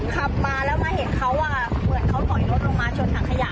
ขับมาแล้วมาเห็นเขาเหมือนเขาถอยรถลงมาชนถังขยะ